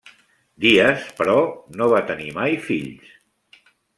Díaz, però, no va tenir mai fills.